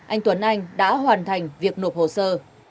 anh tuấn anh đã hoàn thành việc nộp hồ sơ